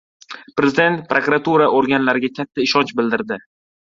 Prezident prokuratura organlariga katta ishonch bildirdi.